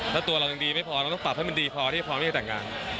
ถ้าตัวเรายังดีไม่พอเราต้องปรับให้มันดีพอที่พร้อมที่จะแต่งงาน